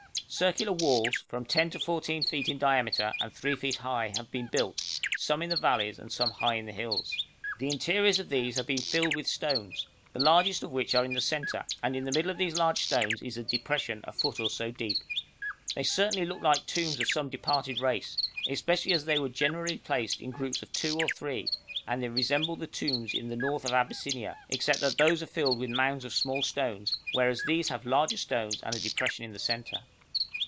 Circular walls, from 10 to 14 feet in diameter and 3 feet high, have been built, some in the valleys and some high up on the hills. The interiors of these have been filled with stones, the largest of which are in the centre, and in the middle of these large stones is a depression a foot or so deep. They certainly looked like tombs of some departed race, especially as they were generally placed in groups of two or three, and they resembled the tombs in the north of Abyssinia, except that those are filled with mounds of small stones, whereas these have larger stones and a depression in the centre.